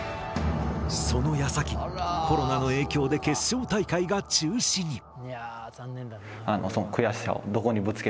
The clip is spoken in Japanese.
そのやさきコロナの影響で決勝大会が中止に。